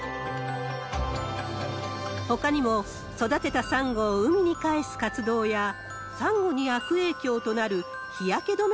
ほかにも、育てたサンゴを海に返す活動や、サンゴに悪影響となる日焼け止め